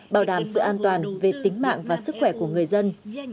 bảo đảm sự an toàn về tính mạng và sức khỏe của người dân